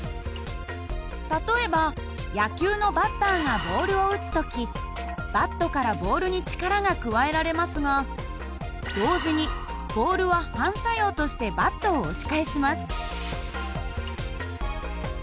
例えば野球のバッターがボールを打つ時バットからボールに力が加えられますが同時にボールは反作用としてバットを押し返します。